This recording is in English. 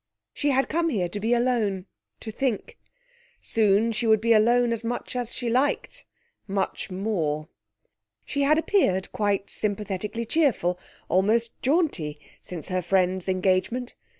She had come here to be alone, to think. Soon she would be alone as much as she liked much more. She had appeared quite sympathetically cheerful, almost jaunty, since her friend's engagement.